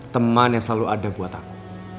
teman yang selalu ada buat aku